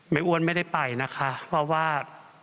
อ้วนไม่ได้ไปนะคะเพราะว่า